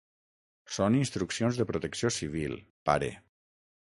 Són instruccions de Protecció Civil, pare.